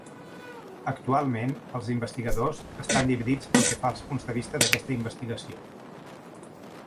Actualment, els investigadors estan dividits pel que fa als punts de vista d'aquesta investigació.